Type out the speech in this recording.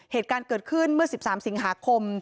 เหตุการณ์เกิดขึ้นเมื่อ๑๓สิงหาคม